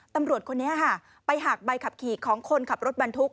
ตำรวจคนนี้ค่ะไปหักใบขับขี่ของคนขับรถบรรทุก